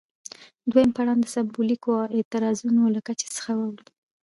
دویم پړاو د سمبولیکو اعتراضونو له کچې څخه اوړي.